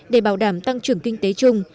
để bảo đảm tăng trưởng kinh tế chung